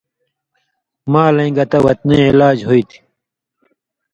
مالَیں گتہ وطنی علاج ہُوئ تھی